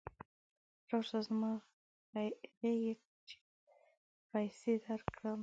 راشه زما غېږې ته چې پیسې درکړم.